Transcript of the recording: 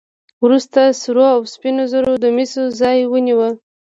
وروسته سرو او سپینو زرو د مسو ځای ونیو.